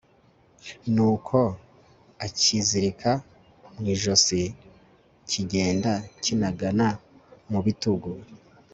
nuko akizirika mu ijosi, kigenda kinagana mu bitugu